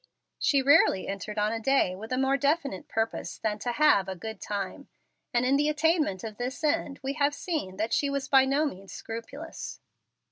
She rarely entered on a day with a more definite purpose than to have a "good time"; and in the attainment of this end we have seen that she was by no means scrupulous.